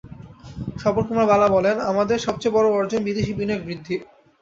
স্বপন কুমার বালা বলেন, আমাদের সবচেয়ে বড় অর্জন বিদেশি বিনিয়োগ বৃদ্ধি।